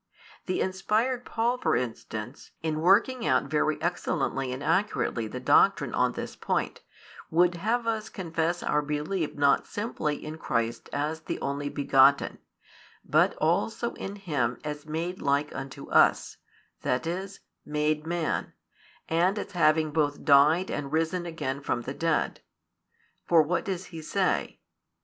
The inspired Paul, for instance, in working out very excellently and accurately the doctrine on this point, would have us confess our belief not simply in Christ as the Only begotten, but also in Him as made like unto us, that is, made man, and as having both died and risen again from the dead. For what does he say?